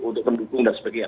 untuk pendukung dan sebagainya